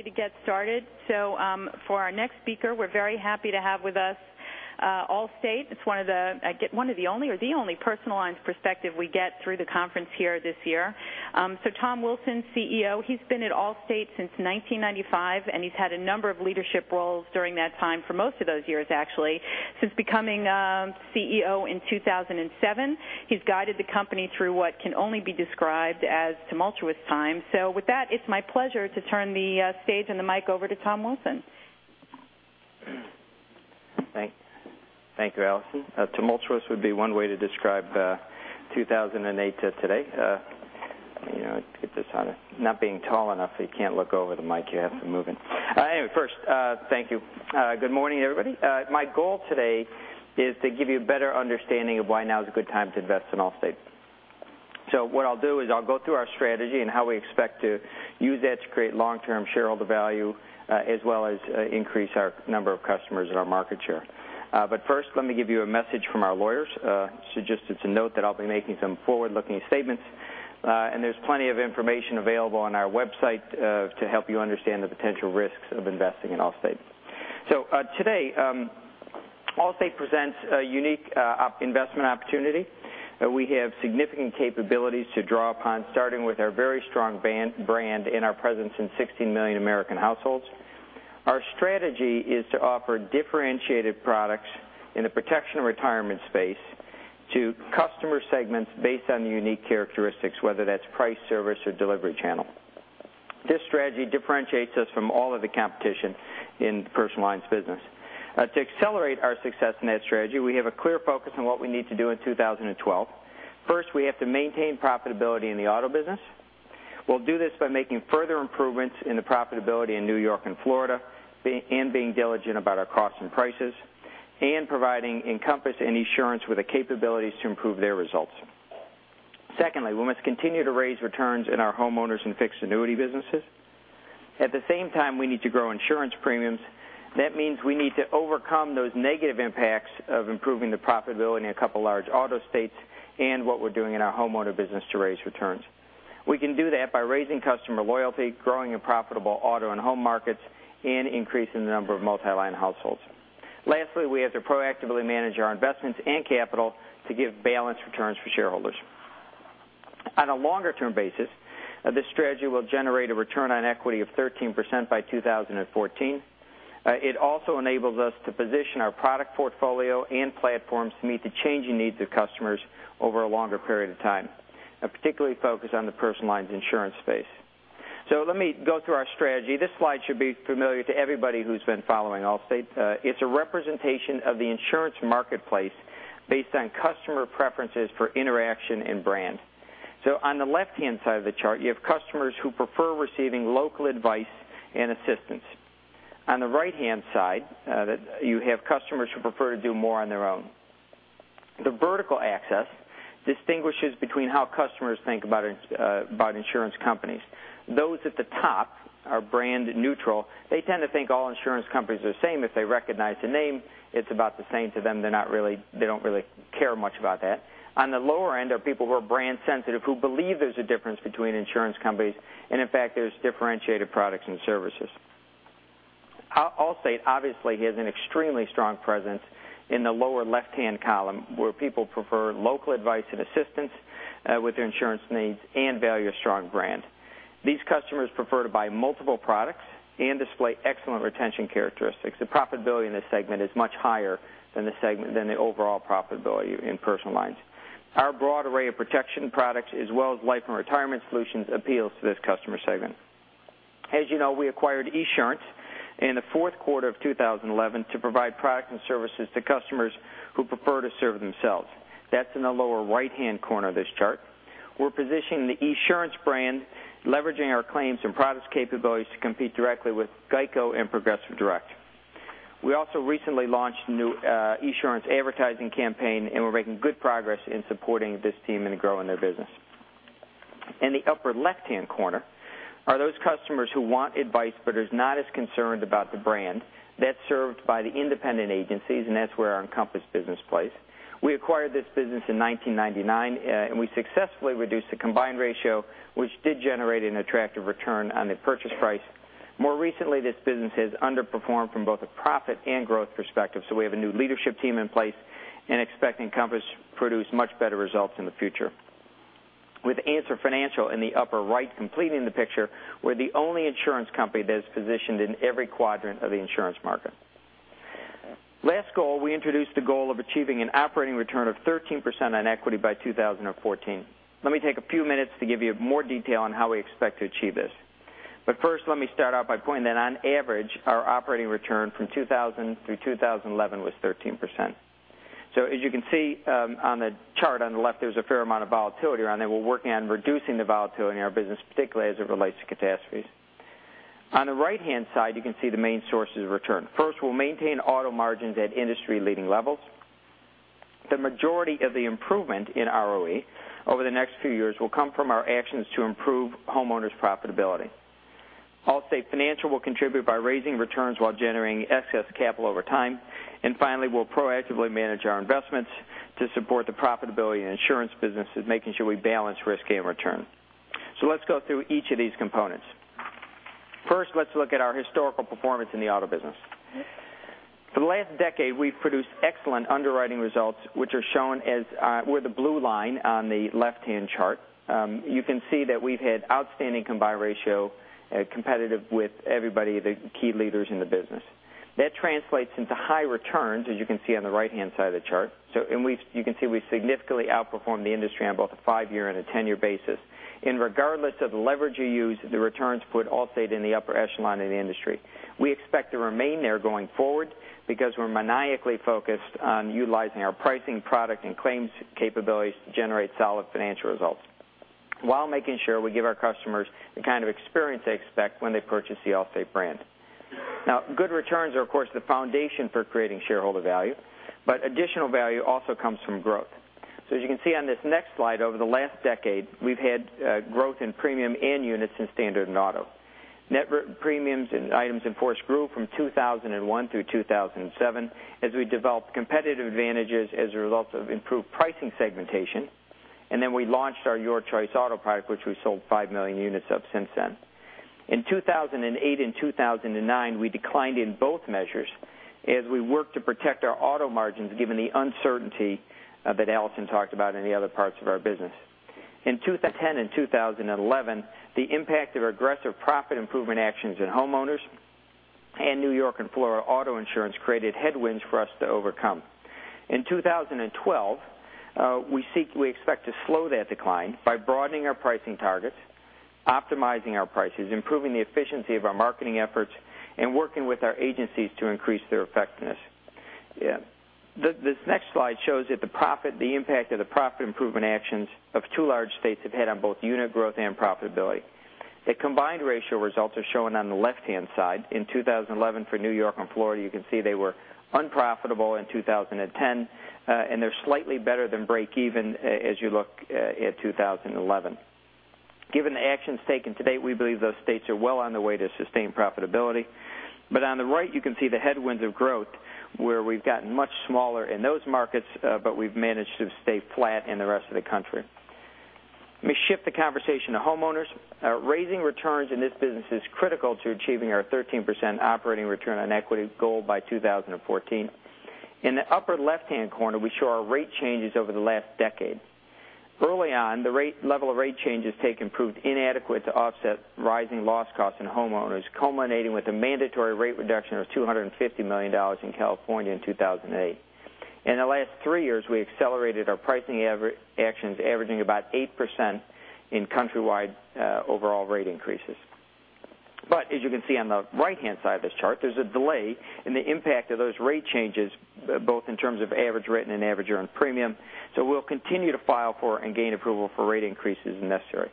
We're ready to get started. For our next speaker, we're very happy to have with us Allstate. It's one of the only, or the only, personal lines perspective we get through the conference here this year. Tom Wilson, CEO. He's been at Allstate since 1995, and he's had a number of leadership roles during that time, for most of those years, actually. Since becoming CEO in 2007, he's guided the company through what can only be described as tumultuous times. With that, it's my pleasure to turn the stage and the mic over to Tom Wilson. Thank you, Alison. Tumultuous would be one way to describe 2008 to today. Get this on. Not being tall enough, so you can't look over the mic you have, so move in. Anyway, first, thank you. Good morning, everybody. My goal today is to give you a better understanding of why now is a good time to invest in Allstate. What I'll do is I'll go through our strategy and how we expect to use that to create long-term shareholder value, as well as increase our number of customers and our market share. First, let me give you a message from our lawyers. Just to note that I'll be making some forward-looking statements, and there's plenty of information available on our website to help you understand the potential risks of investing in Allstate. Today, Allstate presents a unique investment opportunity. We have significant capabilities to draw upon, starting with our very strong brand and our presence in 16 million American households. Our strategy is to offer differentiated products in the protection and retirement space to customer segments based on the unique characteristics, whether that's price, service, or delivery channel. This strategy differentiates us from all of the competition in personal lines business. To accelerate our success in that strategy, we have a clear focus on what we need to do in 2012. First, we have to maintain profitability in the auto business. We'll do this by making further improvements in the profitability in New York and Florida, and being diligent about our costs and prices, and providing Encompass and Esurance with the capabilities to improve their results. Secondly, we must continue to raise returns in our homeowners and fixed annuity businesses. At the same time, we need to grow insurance premiums. That means we need to overcome those negative impacts of improving the profitability in a couple of large auto states, and what we're doing in our homeowner business to raise returns. We can do that by raising customer loyalty, growing in profitable auto and home markets, and increasing the number of multi-line households. Lastly, we have to proactively manage our investments and capital to give balanced returns for shareholders. On a longer-term basis, this strategy will generate a return on equity of 13% by 2014. It also enables us to position our product portfolio and platforms to meet the changing needs of customers over a longer period of time, and particularly focused on the personal lines insurance space. Let me go through our strategy. This slide should be familiar to everybody who's been following Allstate. It's a representation of the insurance marketplace based on customer preferences for interaction and brand. On the left-hand side of the chart, you have customers who prefer receiving local advice and assistance. On the right-hand side, you have customers who prefer to do more on their own. The vertical axis distinguishes between how customers think about insurance companies. Those at the top are brand neutral. They tend to think all insurance companies are the same. If they recognize the name, it's about the same to them. They don't really care much about that. On the lower end are people who are brand sensitive, who believe there's a difference between insurance companies, and in fact, there's differentiated products and services. Allstate obviously has an extremely strong presence in the lower left-hand column, where people prefer local advice and assistance with their insurance needs and value a strong brand. These customers prefer to buy multiple products and display excellent retention characteristics. The profitability in this segment is much higher than the overall profitability in personal lines. Our broad array of protection products as well as life and retirement solutions appeals to this customer segment. As you know, we acquired Esurance in the fourth quarter of 2011 to provide products and services to customers who prefer to serve themselves. That's in the lower right-hand corner of this chart. We're positioning the Esurance brand, leveraging our claims and products capabilities to compete directly with GEICO and Progressive Direct. We also recently launched a new Esurance advertising campaign, and we're making good progress in supporting this team and growing their business. In the upper left-hand corner are those customers who want advice but is not as concerned about the brand. That's served by the independent agencies, that's where our Encompass business plays. We acquired this business in 1999, and we successfully reduced the combined ratio, which did generate an attractive return on the purchase price. More recently, this business has underperformed from both a profit and growth perspective. We have a new leadership team in place and expect Encompass to produce much better results in the future. With Answer Financial in the upper right completing the picture, we're the only insurance company that is positioned in every quadrant of the insurance market. Last goal, we introduced the goal of achieving an operating return of 13% on equity by 2014. Let me take a few minutes to give you more detail on how we expect to achieve this. First, let me start out by pointing that on average, our operating return from 2000 through 2011 was 13%. As you can see on the chart on the left, there's a fair amount of volatility around that. We're working on reducing the volatility in our business, particularly as it relates to catastrophes. On the right-hand side, you can see the main sources of return. First, we'll maintain auto margins at industry-leading levels. The majority of the improvement in ROE over the next few years will come from our actions to improve homeowners' profitability. Allstate Financial will contribute by raising returns while generating excess capital over time. Finally, we'll proactively manage our investments to support the profitability in insurance businesses, making sure we balance risk and return. Let's go through each of these components. First, let's look at our historical performance in the auto business. For the last decade, we've produced excellent underwriting results, which are shown with the blue line on the left-hand chart. You can see that we've had outstanding combined ratio, competitive with everybody, the key leaders in the business. That translates into high returns, as you can see on the right-hand side of the chart. You can see we significantly outperformed the industry on both a five-year and a 10-year basis. Regardless of the leverage you use, the returns put Allstate in the upper echelon in the industry. We expect to remain there going forward because we're maniacally focused on utilizing our pricing product and claims capabilities to generate solid financial results while making sure we give our customers the kind of experience they expect when they purchase the Allstate brand. Good returns are, of course, the foundation for creating shareholder value, but additional value also comes from growth. As you can see on this next slide, over the last decade, we've had growth in premium and units in standard and auto. Net premiums and items in force grew from 2001 through 2007 as we developed competitive advantages as a result of improved pricing segmentation. Then we launched our Your Choice Auto Product, which we sold 5 million units of since then. In 2008 and 2009, we declined in both measures as we worked to protect our auto margins, given the uncertainty that Alison talked about in the other parts of our business. In 2010 and 2011, the impact of aggressive profit improvement actions in homeowners and New York and Florida auto insurance created headwinds for us to overcome. In 2012, we expect to slow that decline by broadening our pricing targets, optimizing our prices, improving the efficiency of our marketing efforts, and working with our agencies to increase their effectiveness. This next slide shows the impact of the profit improvement actions of two large states have had on both unit growth and profitability. The combined ratio results are shown on the left-hand side. In 2011 for New York and Florida, you can see they were unprofitable in 2010, and they're slightly better than break even as you look at 2011. Given the actions taken to date, we believe those states are well on their way to sustained profitability. On the right, you can see the headwinds of growth, where we've gotten much smaller in those markets, but we've managed to stay flat in the rest of the country. Let me shift the conversation to homeowners. Raising returns in this business is critical to achieving our 13% operating return on equity goal by 2014. In the upper left-hand corner, we show our rate changes over the last decade. Early on, the level of rate changes taken proved inadequate to offset rising loss costs in homeowners, culminating with a mandatory rate reduction of $250 million in California in 2008. In the last three years, we accelerated our pricing actions, averaging about 8% in countrywide overall rate increases. As you can see on the right-hand side of this chart, there's a delay in the impact of those rate changes, both in terms of average written and average earned premium. We'll continue to file for and gain approval for rate increases as necessary.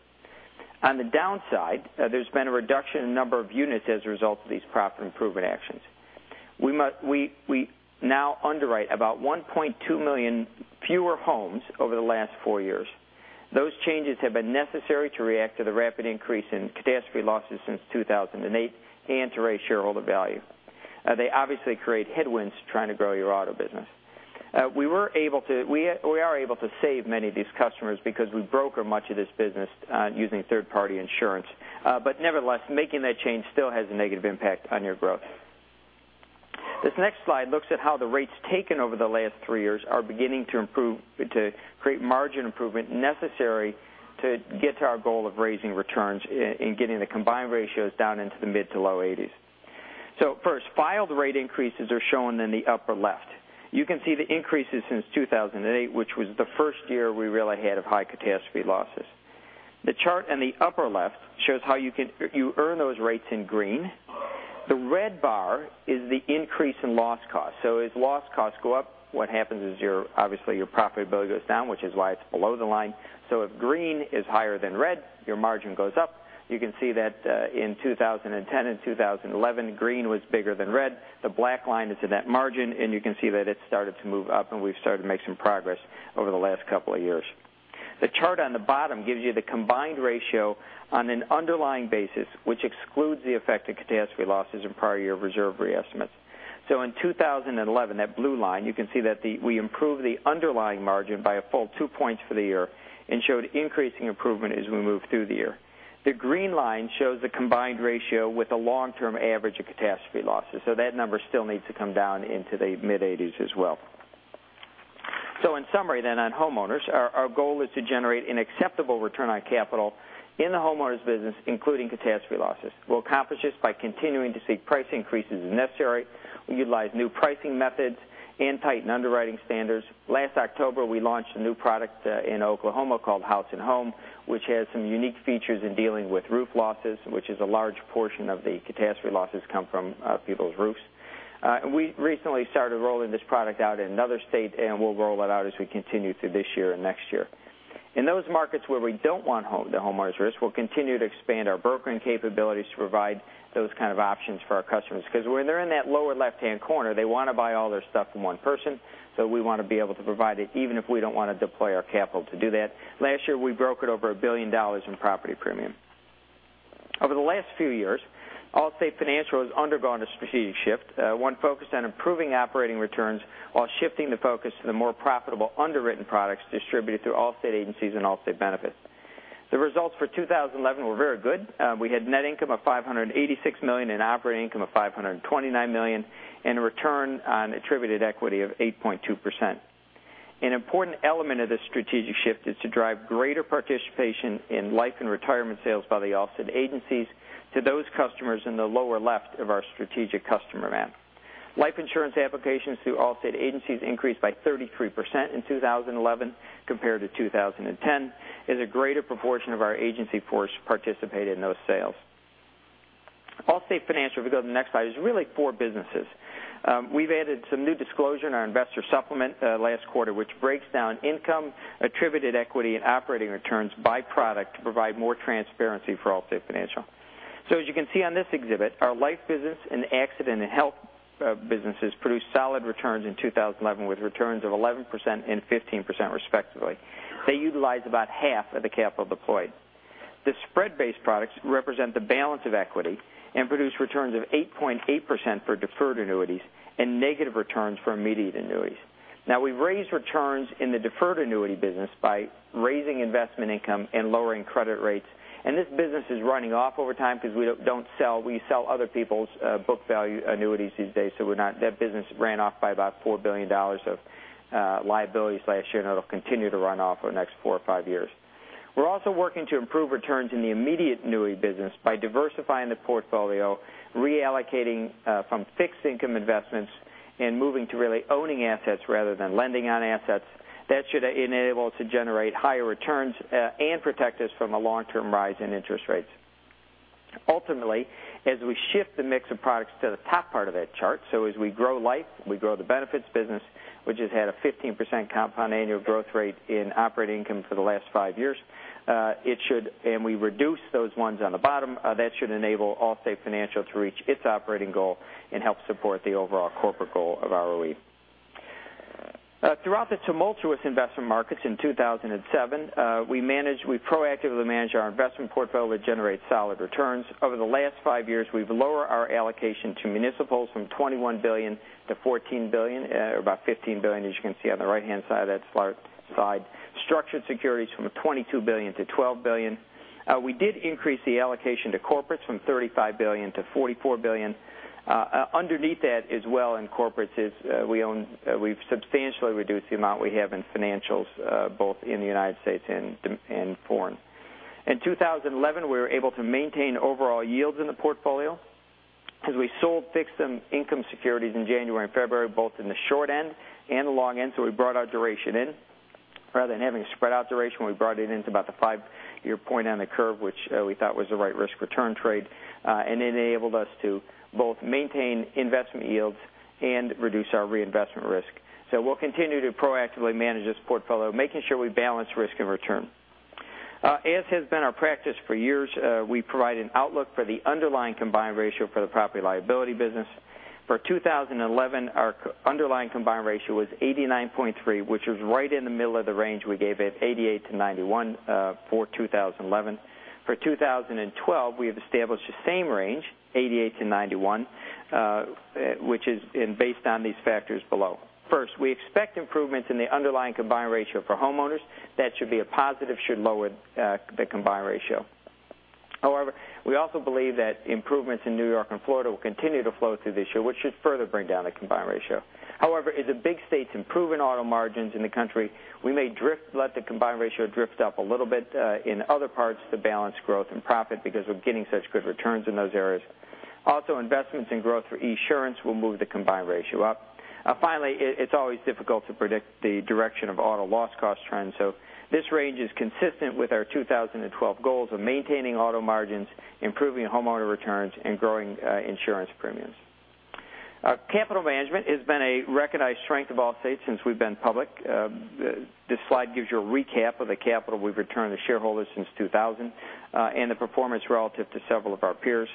On the downside, there's been a reduction in number of units as a result of these profit improvement actions. We now underwrite about 1.2 million fewer homes over the last four years. Those changes have been necessary to react to the rapid increase in catastrophe losses since 2008 and to raise shareholder value. They obviously create headwinds trying to grow your auto business. We are able to save many of these customers because we broker much of this business using third-party insurance. Nevertheless, making that change still has a negative impact on your growth. This next slide looks at how the rates taken over the last three years are beginning to create margin improvement necessary to get to our goal of raising returns and getting the combined ratios down into the mid-to-low 80s. First, filed rate increases are shown in the upper left. You can see the increases since 2008, which was the first year we really had high catastrophe losses. The chart in the upper left shows how you earn those rates in green. The red bar is the increase in loss cost. As loss costs go up, what happens is obviously your profitability goes down, which is why it's below the line. If green is higher than red, your margin goes up. You can see that in 2010 and 2011, green was bigger than red. The black line is the net margin, and you can see that it started to move up and we've started to make some progress over the last couple of years. The chart on the bottom gives you the combined ratio on an underlying basis, which excludes the effect of catastrophe losses in prior year reserve re-estimates. In 2011, that blue line, you can see that we improved the underlying margin by a full 2 points for the year and showed increasing improvement as we moved through the year. The green line shows the combined ratio with the long-term average of catastrophe losses. That number still needs to come down into the mid-80s as well. In summary on homeowners, our goal is to generate an acceptable return on capital in the homeowners business, including catastrophe losses. We'll accomplish this by continuing to seek price increases as necessary. We utilize new pricing methods and tighten underwriting standards. Last October, we launched a new product in Oklahoma called House and Home, which has some unique features in dealing with roof losses, which is a large portion of the catastrophe losses come from people's roofs. We recently started rolling this product out in another state, and we'll roll it out as we continue through this year and next year. In those markets where we don't want the homeowners risk, we'll continue to expand our brokering capabilities to provide those kind of options for our customers. When they're in that lower left-hand corner, they want to buy all their stuff from one person, we want to be able to provide it even if we don't want to deploy our capital to do that. Last year, we brokered over $1 billion in property premium. Over the last few years, Allstate Financial has undergone a strategic shift, one focused on improving operating returns while shifting the focus to the more profitable underwritten products distributed through Allstate agencies and Allstate Benefits. The results for 2011 were very good. We had net income of $586 million and operating income of $529 million, and a return on attributed equity of 8.2%. An important element of this strategic shift is to drive greater participation in life and retirement sales by the Allstate agencies to those customers in the lower left of our strategic customer map. Life insurance applications through Allstate agencies increased by 33% in 2011 compared to 2010, as a greater proportion of our agency force participated in those sales. Allstate Financial, if we go to the next slide, is really four businesses. We've added some new disclosure in our investor supplement last quarter, which breaks down income attributed equity and operating returns by product to provide more transparency for Allstate Financial. As you can see on this exhibit, our life business and accident and health businesses produced solid returns in 2011, with returns of 11% and 15% respectively. They utilize about half of the capital deployed. The spread-based products represent the balance of equity and produce returns of 8.8% for deferred annuities and negative returns for immediate annuities. We've raised returns in the deferred annuity business by raising investment income and lowering credit rates, and this business is running off over time because we sell other people's book value annuities these days. That business ran off by about $4 billion of liabilities last year, and it'll continue to run off over the next four or five years. We're also working to improve returns in the immediate annuity business by diversifying the portfolio, reallocating from fixed income investments and moving to really owning assets rather than lending on assets. That should enable us to generate higher returns and protect us from a long-term rise in interest rates. Ultimately, as we shift the mix of products to the top part of that chart, as we grow life, we grow the benefits business, which has had a 15% compound annual growth rate in operating income for the last five years, and we reduce those ones on the bottom, that should enable Allstate Financial to reach its operating goal and help support the overall corporate goal of ROE. Throughout the tumultuous investment markets in 2007, we proactively managed our investment portfolio to generate solid returns. Over the last five years, we've lowered our allocation to municipals from $21 billion to $14 billion, or about $15 billion, as you can see on the right-hand side of that slide. Structured securities from $22 billion to $12 billion. We did increase the allocation to corporates from $35 billion to $44 billion. Underneath that as well in corporates is we've substantially reduced the amount we have in financials, both in the U.S. and foreign. In 2011, we were able to maintain overall yields in the portfolio because we sold fixed income securities in January and February, both in the short end and the long end, we brought our duration in. Rather than having a spread out duration, we brought it into about the five-year point on the curve, which we thought was the right risk return trade, and enabled us to both maintain investment yields and reduce our reinvestment risk. We'll continue to proactively manage this portfolio, making sure we balance risk and return. As has been our practice for years, we provide an outlook for the underlying combined ratio for the property liability business. For 2011, our underlying combined ratio was 89.3, which was right in the middle of the range we gave at 88-91 for 2011. For 2012, we have established the same range, 88-91, which is based on these factors below. First, we expect improvements in the underlying combined ratio for homeowners. That should be a positive, should lower the combined ratio. We also believe that improvements in New York and Florida will continue to flow through this year, which should further bring down the combined ratio. As the big states improve in auto margins in the country, we may let the combined ratio drift up a little bit in other parts to balance growth and profit because we're getting such good returns in those areas. Investments in growth for Esurance will move the combined ratio up. It's always difficult to predict the direction of auto loss cost trends. This range is consistent with our 2012 goals of maintaining auto margins, improving homeowner returns, and growing insurance premiums. Capital management has been a recognized strength of Allstate since we've been public. This slide gives you a recap of the capital we've returned to shareholders since 2000 and the performance relative to several of our peers.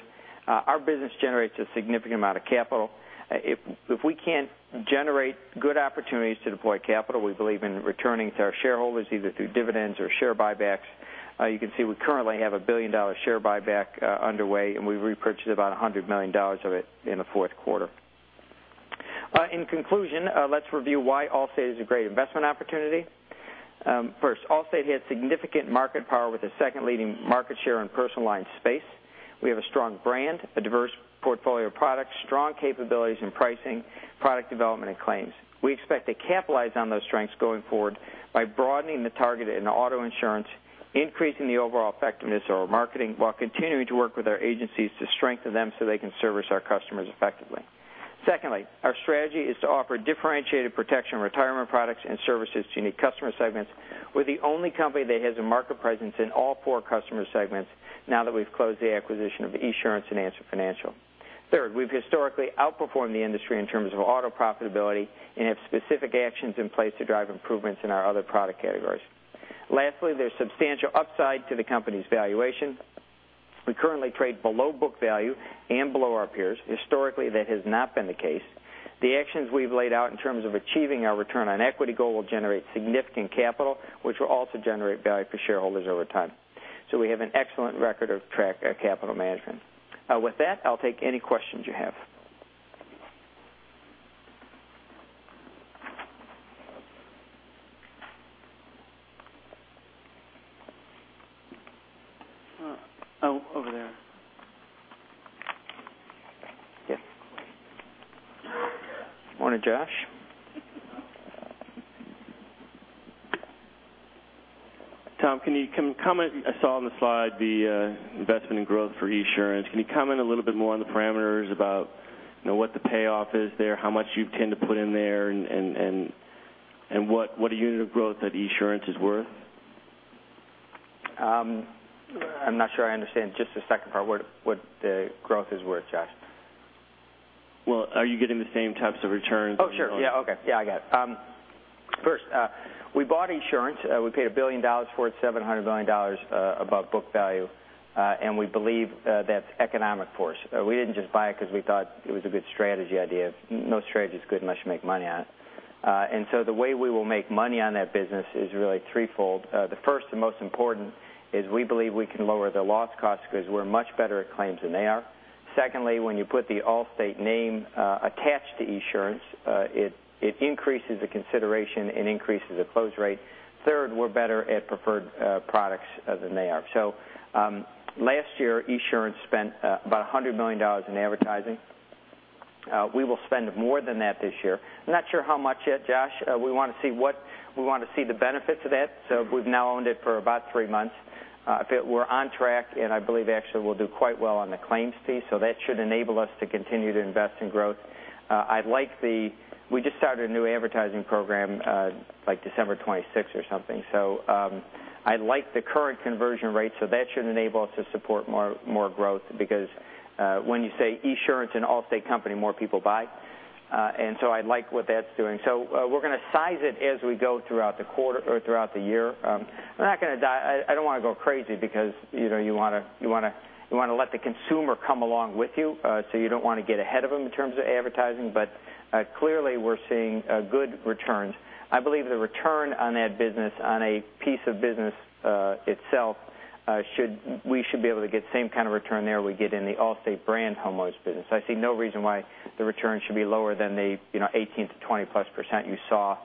Our business generates a significant amount of capital. If we can't generate good opportunities to deploy capital, we believe in returning to our shareholders, either through dividends or share buybacks. You can see we currently have a billion-dollar share buyback underway. We repurchased about $100 million of it in the fourth quarter. In conclusion, let's review why Allstate is a great investment opportunity. First, Allstate has significant market power with the second leading market share in personal lines space. We have a strong brand, a diverse portfolio of products, strong capabilities in pricing, product development, and claims. We expect to capitalize on those strengths going forward by broadening the target in auto insurance, increasing the overall effectiveness of our marketing while continuing to work with our agencies to strengthen them so they can service our customers effectively. Secondly, our strategy is to offer differentiated protection, retirement products, and services to unique customer segments. We're the only company that has a market presence in all four customer segments now that we've closed the acquisition of Esurance and Answer Financial. Third, we've historically outperformed the industry in terms of auto profitability and have specific actions in place to drive improvements in our other product categories. Lastly, there's substantial upside to the company's valuation. We currently trade below book value and below our peers. Historically, that has not been the case. The actions we've laid out in terms of achieving our return on equity goal will generate significant capital, which will also generate value for shareholders over time. We have an excellent record of track our capital management. With that, I'll take any questions you have. Over there. Yep. Morning, Josh. Tom, I saw on the slide the investment in growth for Esurance. Can you comment a little bit more on the parameters about what the payoff is there, how much you intend to put in there, and what a unit of growth at Esurance is worth? I'm not sure I understand. Just the second part, what the growth is worth, Josh. Well, are you getting the same types of returns? Oh, sure. Yeah. Okay. Yeah, I got it. First, we bought Esurance. We paid $1 billion for it, $700 million above book value. We believe that's economic force. We didn't just buy it because we thought it was a good strategy idea. No strategy is good unless you make money on it. The way we will make money on that business is really threefold. The first and most important is we believe we can lower the loss costs because we're much better at claims than they are. Secondly, when you put the Allstate name attached to Esurance, it increases the consideration and increases the close rate. Third, we're better at preferred products than they are. Last year, Esurance spent about $100 million in advertising. We will spend more than that this year. I'm not sure how much yet, Josh. We want to see the benefits of that. We've now owned it for about three months. We're on track, and I believe actually we'll do quite well on the claims team. That should enable us to continue to invest in growth. We just started a new advertising program December 26 or something. I like the current conversion rate, so that should enable us to support more growth because when you say Esurance and Allstate company, more people buy. I like what that's doing. We're going to size it as we go throughout the year. I don't want to go crazy because you want to let the consumer come along with you. You don't want to get ahead of them in terms of advertising. Clearly, we're seeing good returns. I believe the return on that business, on a piece of business itself, we should be able to get same kind of return there we get in the Allstate brand homeowners business. I see no reason why the return should be lower than the 18%-20%+ you saw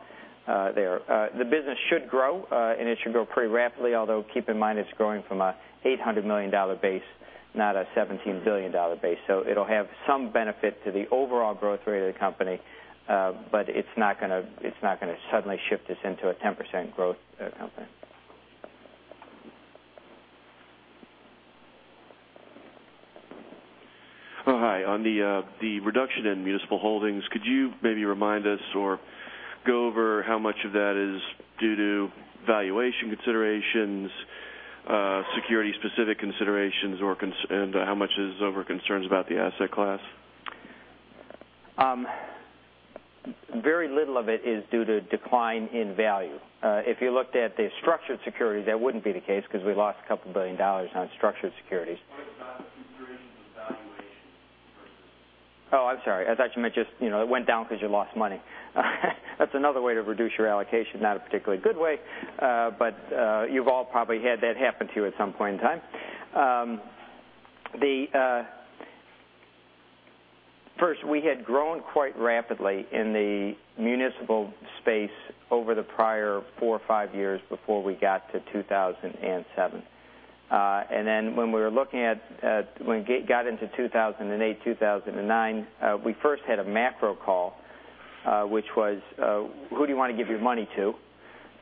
there. The business should grow, and it should grow pretty rapidly, although keep in mind it's growing from a $800 million base, not a $17 billion base. It'll have some benefit to the overall growth rate of the company. It's not going to suddenly shift us into a 10% growth company. Oh, hi. On the reduction in municipal holdings, could you maybe remind us or go over how much of that is due to valuation considerations, security specific considerations, and how much is over concerns about the asset class? Very little of it is due to decline in value. If you looked at the structured securities, that wouldn't be the case because we lost a couple billion dollars on structured securities. What about the considerations of valuation versus. Oh, I'm sorry. I thought you meant just it went down because you lost money. That's another way to reduce your allocation, not a particularly good way. You've all probably had that happen to you at some point in time. First, we had grown quite rapidly in the municipal space over the prior four or five years before we got to 2007. When we got into 2008, 2009, we first had a macro call, which was, who do you want to give your money to?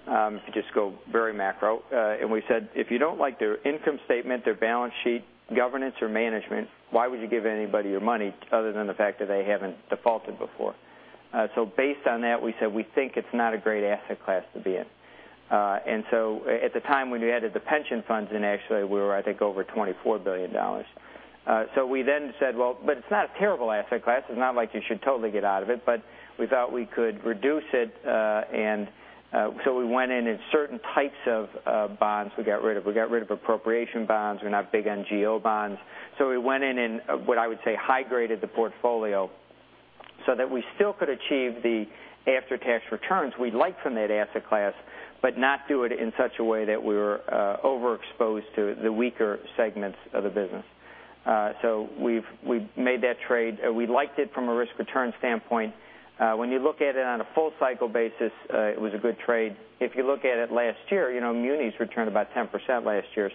To just go very macro. We said, "If you don't like their income statement, their balance sheet, governance, or management, why would you give anybody your money other than the fact that they haven't defaulted before?" Based on that, we said we think it's not a great asset class to be in. At the time when we added the pension funds in, actually, we were, I think, over $24 billion. We then said, well, but it's not a terrible asset class. It's not like you should totally get out of it, but we thought we could reduce it. We went in and certain types of bonds we got rid of. We got rid of appropriation bonds. We're not big on GO bonds. We went in and what I would say high graded the portfolio so that we still could achieve the after-tax returns we'd like from that asset class, but not do it in such a way that we were overexposed to the weaker segments of the business. We've made that trade. We liked it from a risk return standpoint. When you look at it on a full cycle basis, it was a good trade. If you look at it last year, munis returned about 10% last year.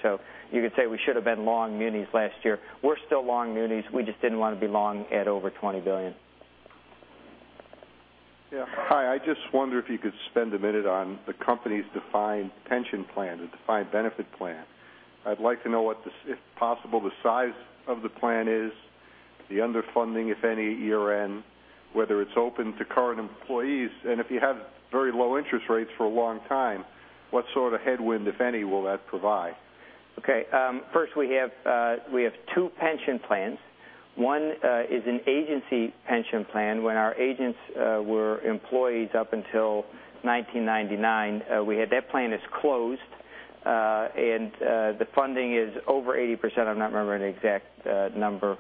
You could say we should have been long munis last year. We're still long munis. We just didn't want to be long at over $20 billion. Yeah. Hi. I just wonder if you could spend a minute on the company's defined pension plan, the defined benefit plan. I'd like to know, if possible, the size of the plan is, the underfunding, if any, year end, whether it's open to current employees, and if you have very low interest rates for a long time, what sort of headwind, if any, will that provide? Okay. First we have two pension plans. One is an agency pension plan when our agents were employees up until 1999. That plan is closed. The funding is over 80%. I'm not remembering the exact number.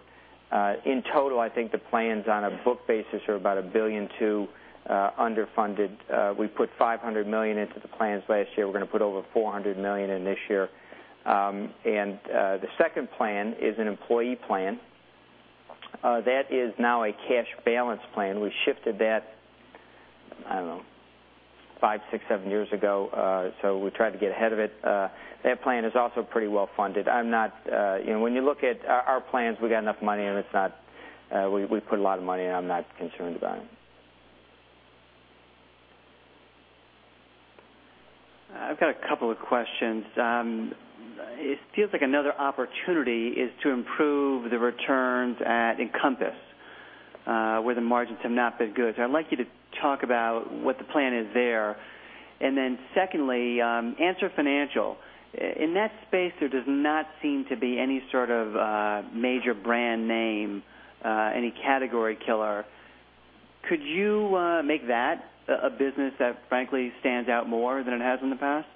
In total, I think the plans on a book basis are about $1.2 billion underfunded. We put $500 million into the plans last year. We're going to put over $400 million in this year. The second plan is an employee plan that is now a cash balance plan. We shifted that, I don't know, five, six, seven years ago, so we tried to get ahead of it. That plan is also pretty well-funded. When you look at our plans, we got enough money and we put a lot of money in, I'm not concerned about it. I've got a couple of questions. It feels like another opportunity is to improve the returns at Encompass, where the margins have not been good. I'd like you to talk about what the plan is there. Secondly, Answer Financial. In that space, there does not seem to be any sort of major brand name, any category killer. Could you make that a business that frankly stands out more than it has in the past?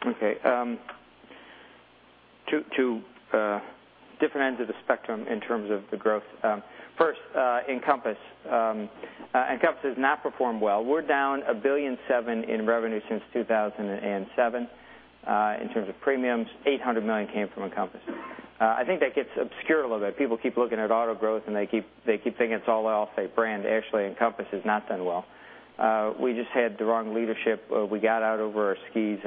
Okay. Two different ends of the spectrum in terms of the growth. First, Encompass. Encompass has not performed well. We're down $1.7 billion in revenue since 2007. In terms of premiums, $800 million came from Encompass. I think that gets obscured a little bit. People keep looking at auto growth, they keep thinking it's all Allstate brand. Actually, Encompass has not done well. We just had the wrong leadership. We got out over our skis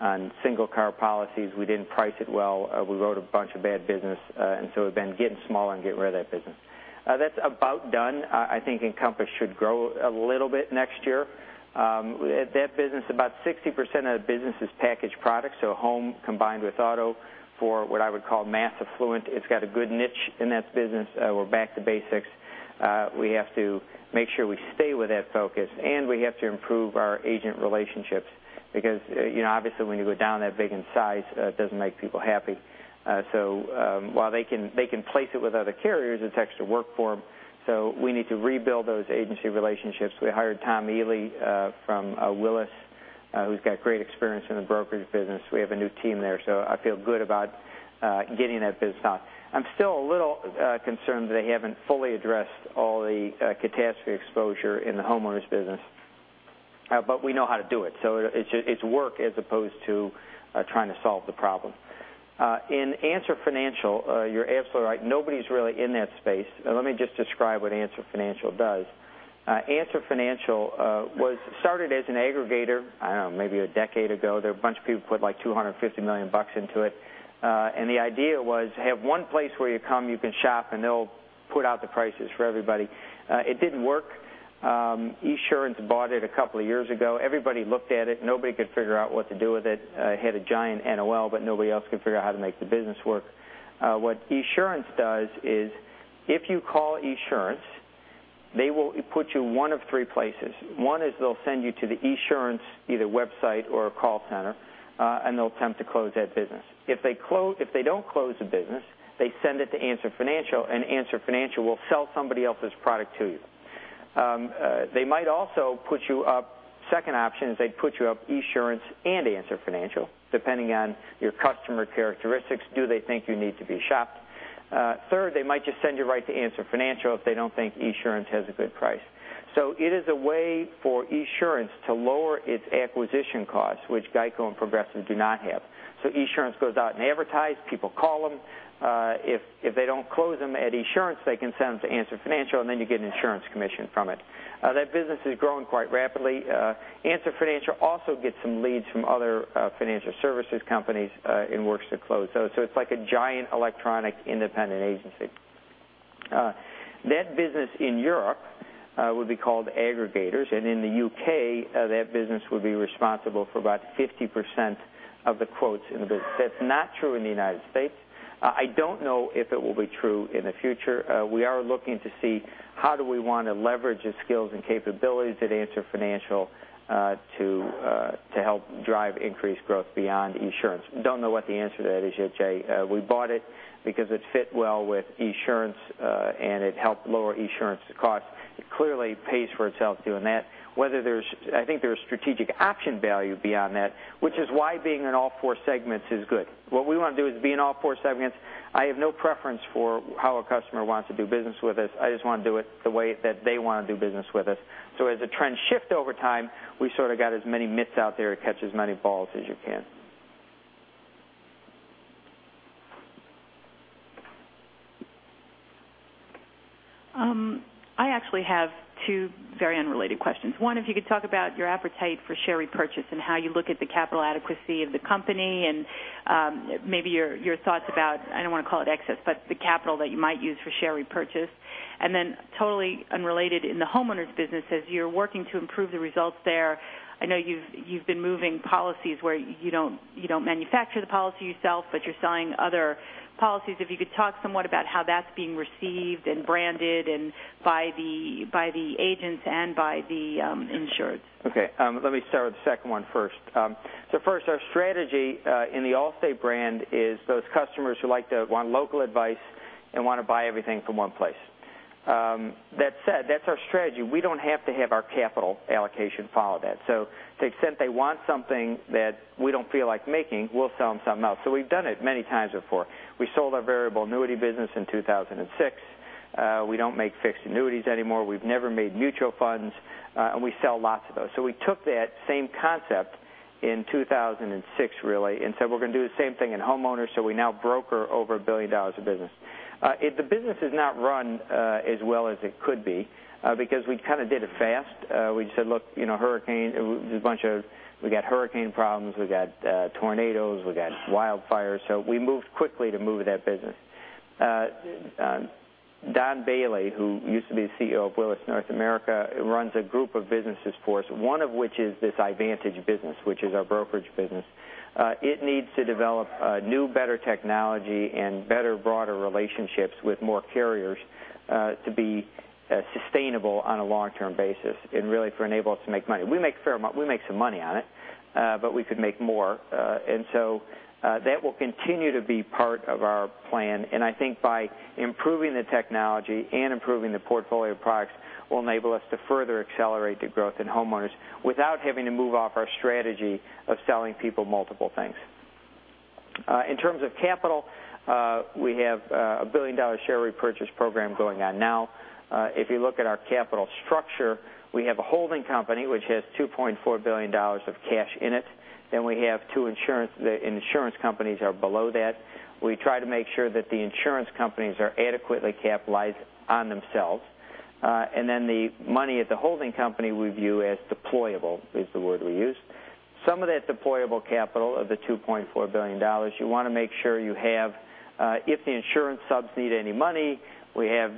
on single car policies. We didn't price it well. We wrote a bunch of bad business, we've been getting smaller and getting rid of that business. That's about done. I think Encompass should grow a little bit next year. That business, about 60% of the business is packaged product, so home combined with auto for what I would call mass affluent. It's got a good niche in that business. We're back to basics. We have to make sure we stay with that focus, and we have to improve our agent relationships because obviously when you go down that big in size, it doesn't make people happy. While they can place it with other carriers, it's extra work for them, so we need to rebuild those agency relationships. We hired Tom Ely from Willis, who's got great experience in the brokerage business. We have a new team there, so I feel good about getting that business out. I'm still a little concerned that they haven't fully addressed all the catastrophe exposure in the homeowners business. We know how to do it, so it's work as opposed to trying to solve the problem. In Answer Financial, you're absolutely right. Nobody's really in that space. Let me just describe what Answer Financial does. Answer Financial was started as an aggregator, I don't know, maybe a decade ago. A bunch of people put like $250 million into it. The idea was to have one place where you come, you can shop, and they'll put out the prices for everybody. It didn't work. Esurance bought it a couple of years ago. Everybody looked at it. Nobody could figure out what to do with it. It had a giant NOL, but nobody else could figure out how to make the business work. What Esurance does is if you call Esurance, they will put you one of three places. One is they'll send you to the Esurance, either website or a call center, and they'll attempt to close that business. If they don't close the business, they send it to Answer Financial, and Answer Financial will sell somebody else's product to you. They might also put you up, second option is they put you up Esurance and Answer Financial, depending on your customer characteristics. Do they think you need to be shopped? Third, they might just send you right to Answer Financial if they don't think Esurance has a good price. It is a way for Esurance to lower its acquisition costs, which GEICO and Progressive do not have. Esurance goes out and advertise. People call them. If they don't close them at Esurance, they can send them to Answer Financial, and then you get an insurance commission from it. That business is growing quite rapidly. Answer Financial also gets some leads from other financial services companies, and works to close those. It's like a giant electronic independent agency. That business in Europe would be called aggregators, and in the U.K., that business would be responsible for about 50% of the quotes in the business. That's not true in the U.S. I don't know if it will be true in the future. We are looking to see how do we want to leverage the skills and capabilities at Answer Financial to help drive increased growth beyond insurance. We don't know what the answer to that is yet, Jay. We bought it because it fit well with Esurance, and it helped lower Esurance costs. It clearly pays for itself doing that. I think there's strategic option value beyond that, which is why being in all four segments is good. What we want to do is be in all four segments. I have no preference for how a customer wants to do business with us. I just want to do it the way that they want to do business with us. As the trends shift over time, we sort of got as many mitts out there to catch as many balls as you can. I actually have two very unrelated questions. One, if you could talk about your appetite for share repurchase and how you look at the capital adequacy of the company and maybe your thoughts about, I don't want to call it excess, but the capital that you might use for share repurchase. Totally unrelated, in the homeowners business, as you're working to improve the results there, I know you've been moving policies where you don't manufacture the policy yourself, but you're selling other policies. If you could talk somewhat about how that's being received and branded, and by the agents and by the insureds. Okay. Let me start with the second one first. First, our strategy in the Allstate brand is those customers who want local advice and want to buy everything from one place. That said, that's our strategy. We don't have to have our capital allocation follow that. To the extent they want something that we don't feel like making, we'll sell them something else. We've done it many times before. We sold our variable annuity business in 2006. We don't make fixed annuities anymore. We've never made mutual funds. We sell lots of those. We took that same concept In 2006, really. We're going to do the same thing in homeowners. We now broker over $1 billion of business. The business is not run as well as it could be because we kind of did it fast. We said, "Look, we've got hurricane problems, we've got tornadoes, we've got wildfires." We moved quickly to move that business. Don Bailey, who used to be the CEO of Willis North America, runs a group of businesses for us, one of which is this Ivantage business, which is our brokerage business. It needs to develop new, better technology and better, broader relationships with more carriers to be sustainable on a long-term basis and really to enable us to make money. We make some money on it, but we could make more. That will continue to be part of our plan. I think by improving the technology and improving the portfolio of products will enable us to further accelerate the growth in homeowners without having to move off our strategy of selling people multiple things. In terms of capital, we have a billion-dollar share repurchase program going on now. If you look at our capital structure, we have a holding company, which has $2.4 billion of cash in it. We have two insurance. The insurance companies are below that. We try to make sure that the insurance companies are adequately capitalized on themselves. The money at the holding company we view as deployable, is the word we use. Some of that deployable capital of the $2.4 billion, you want to make sure you have if the insurance subs need any money, we have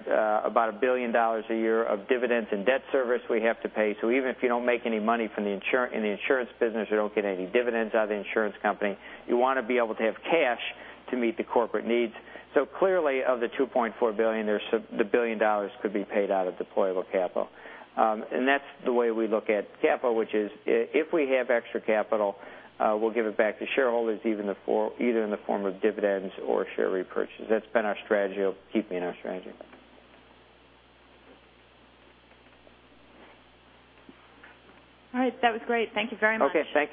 about a billion dollars a year of dividends and debt service we have to pay. Even if you don't make any money in the insurance business, you don't get any dividends out of the insurance company, you want to be able to have cash to meet the corporate needs. Clearly, of the $2.4 billion, the billion dollars could be paid out of deployable capital. That's the way we look at capital, which is if we have extra capital, we'll give it back to shareholders, either in the form of dividends or share repurchases. That's been our strategy, will keep being our strategy. All right. That was great. Thank you very much. Okay, thanks.